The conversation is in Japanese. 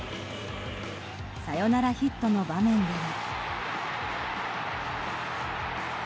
サヨナラヒットの場面では。